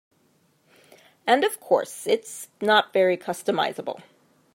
And of course, it's not very customizable.